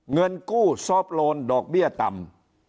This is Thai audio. เงินกู้ซอฟต์โลนดอกเบี้ยต่ำ